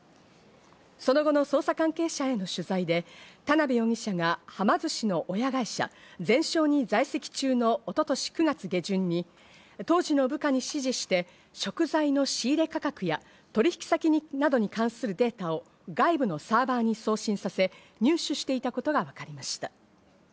その後の捜査関係者への取材で、田辺容疑者がはま寿司の親会社ゼンショーに在籍中の一昨年９月下旬に当時の部下に指示して、食材の仕入れ価格や取引先などに関するデータを外部のサーバに送信させ、入手していたことが、わかりました。